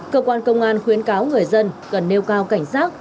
cơ quan công an khuyến cáo người dân cần nêu cao cảnh giác